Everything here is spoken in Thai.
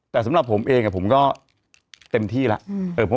แต่สำหรับผมเองผมก็เต็มที่แล้ว